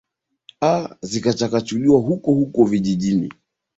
a zikachakachuliwa huko huko vijijini